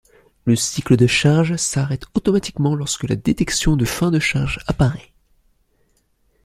Le cycle de charge s'arrête automatiquement lorsque la détection de fin de charge apparait.